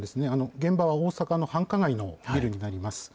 現場は大阪の繁華街のビルになります。